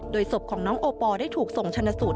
ศพของน้องโอปอลได้ถูกส่งชนะสูตร